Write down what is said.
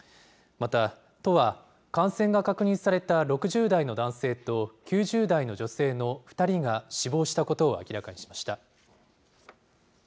また、都は感染が確認された６０代の男性と９０代の女性の２人が死亡したことを明らかにしました。